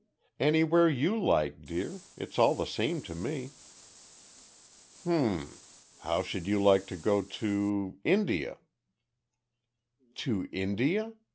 "Anywhere you like, dear. It's all the same to me." "H'm! How should you like to go to India?" "To India?